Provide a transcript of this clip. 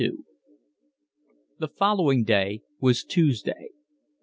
XCII The following day was Tuesday.